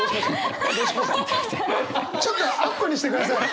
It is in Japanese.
ちょっとアップにしてください。